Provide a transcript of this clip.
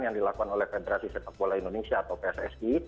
yang dilakukan oleh federasi sepak bola indonesia atau pssi